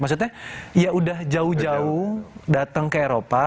maksudnya ya udah jauh jauh datang ke eropa